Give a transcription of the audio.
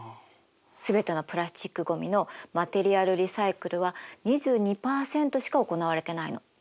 全てのプラスチックごみのマテリアルリサイクルは２２％しか行われてないの。